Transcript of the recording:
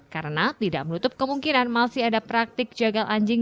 karena tidak melutup kemungkinan masih ada praktik jagal anjing